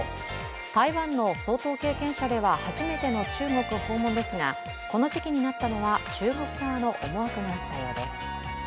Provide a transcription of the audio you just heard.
台湾の総統経験者では初めての中国訪問ですが、この時期になったのは、中国側の思惑があったようです。